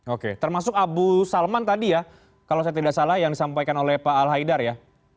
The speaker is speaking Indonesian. oke termasuk abu salman tadi ya kalau saya tidak salah yang disampaikan oleh pak al haidar ya